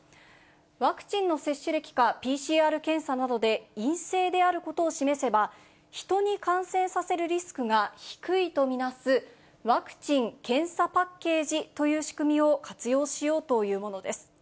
ワクチンの接種歴かＰＣＲ検査などで陰性であることを示せば、人に感染させるリスクが低いと見なす、ワクチン・検査パッケージという仕組みを活用しようというものです。